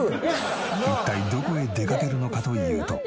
一体どこへ出かけるのかというと。